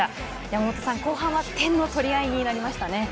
山本さん、後半は点の取り合いになりましたね。